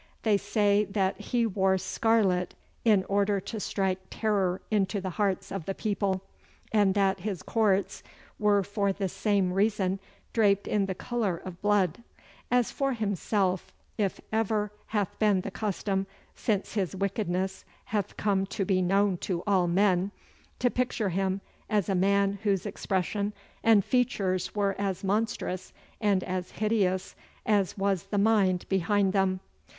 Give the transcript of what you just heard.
They say that he wore scarlet in order to strike terror into the hearts of the people, and that his courts were for the same reason draped in the colour of blood. As for himself, it hath ever been the custom, since his wickedness hath come to be known to all men, to picture him as a man whose expression and features were as monstrous and as hideous as was the mind behind them.